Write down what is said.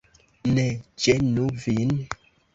Ne ĝenu vin!